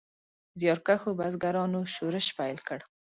زیارکښو بزګرانو شورش پیل کړ.